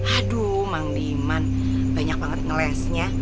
aduh mang liman banyak banget ngelesnya